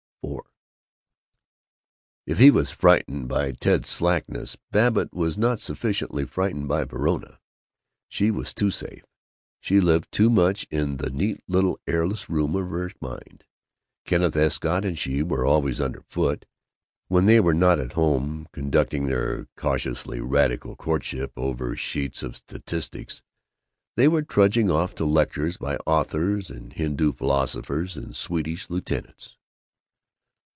IV If he was frightened by Ted's slackness, Babbitt was not sufficiently frightened by Verona. She was too safe. She lived too much in the neat little airless room of her mind. Kenneth Escott and she were always under foot. When they were not at home, conducting their cautiously radical courtship over sheets of statistics, they were trudging off to lectures by authors and Hindu philosophers and Swedish lieutenants.